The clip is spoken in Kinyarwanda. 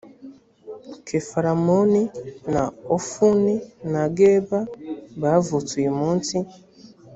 kefaramoni na ofuni na geba bavutse uyumunsi